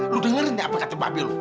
lu dengerin nih apa kata babe lu